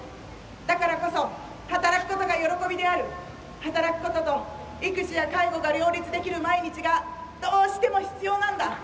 だからこそ働く事が喜びである働く事と育児や介護が両立できる毎日がどうしても必要なんだ。